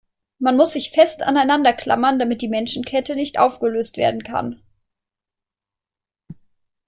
Man muss sich fest aneinander klammern, damit die Menschenkette nicht aufgelöst werden kann.